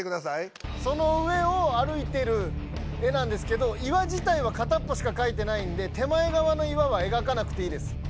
その上を歩いてる絵なんですけど岩自体は片っぽしかかいてないんで手前がわの岩はえがかなくていいです。